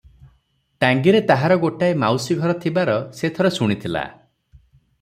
ଟାଙ୍ଗୀରେ ତାହାର ଗୋଟାଏ ମାଉସୀ ଘର ଥିବାର ସେ ଥରେ ଶୁଣିଥିଲା ।